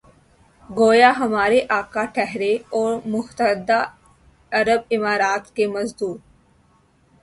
گویا ہمارے آقا ٹھہرے اور متحدہ عرب امارات کے مزدور۔